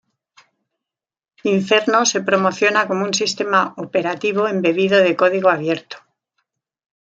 Inferno se promociona como un sistema operativo embebido de código abierto.